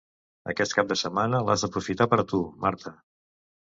Aquest cap de setmana l'has d'aprofitar per a tu, Marta.